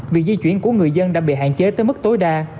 việc di chuyển của người dân đã bị hạn chế tới mức tối đa